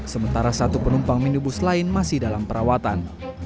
sementara satu penumpang minibus lain masih dalam perawatan